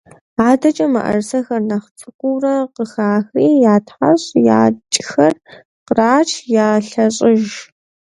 АдэкӀэ мыӀэрысэр, нэхъ цӀыкӀуурэ къыхахри, ятхьэщӀ, якӀхэр кърач, ялъэщӀыж.